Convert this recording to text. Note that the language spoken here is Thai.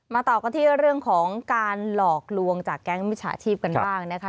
ต่อกันที่เรื่องของการหลอกลวงจากแก๊งมิจฉาชีพกันบ้างนะคะ